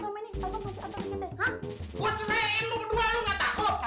kalo mau diantar di gede hah